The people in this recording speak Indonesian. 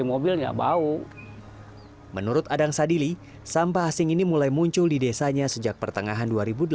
mobil nggak bau menurut adang sadili sampah asing ini mulai muncul di desanya sejak pertengahan dua ribu delapan belas